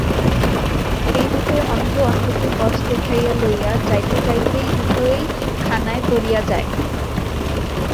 এইরূপে অন্ধ অন্ধকে পথ দেখাইয়া লইয়া যাইতে যাইতে উভয়েই খানায় পড়িয়া যায়।